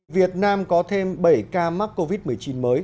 việt nam có thêm bảy ca mắc covid một mươi chín mới